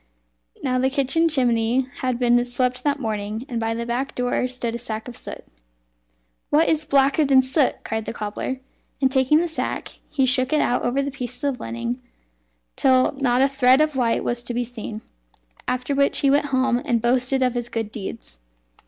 Now the kitchen chimney had been swept that morning, and by the back door stood a sack of soot. "What is blacker than soot?" said the cobbler; and taking the sack, he shook it out over the pieces of linen till not a thread of white was to be seen. After which he went home, and boasted of his good deeds.